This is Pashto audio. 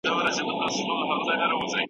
خو لږ ګړی وروسته مي ولیدل